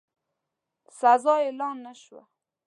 سزا اعلان نه شوه.